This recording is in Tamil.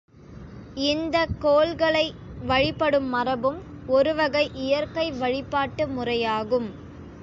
இந்தக் கோள்களை வழிபடும் மரபும் ஒருவகை இயற்கை வழிபாட்டு முறையாகும்.